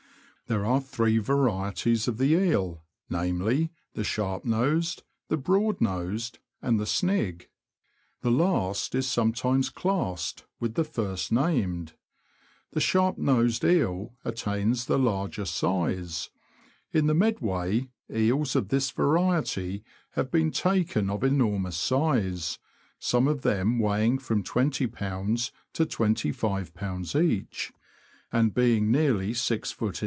There are three varieties of the eel, namely, the Sharp nosed, the Broad nosed, and the Snig ; the last is sometimes classed with the first named. The sharp nosed eel attains the largest size ; in the Medway, eels of this variety have been taken of enor mous size, some of them weighing from 2olb. to THE FISH OF THE BROADS. 299 251b. each, and being nearly 6ft.